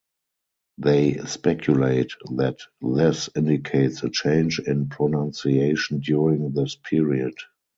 They speculate that this indicates a change in pronunciation during this period.